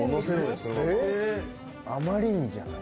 「あまりにじゃない？」